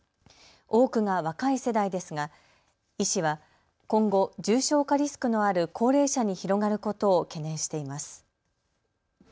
多くが若い世代ですが医師は今後、重症化リスクのある高齢者に広がることを懸念しています。